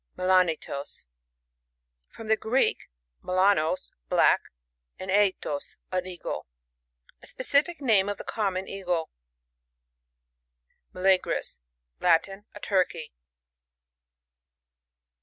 Melanaetos. — F om the Greek, meU anos, black, and a etas, an eagle* A specific name of the Common Eagle. Mbleaoris. ^ Latin. A Turkey.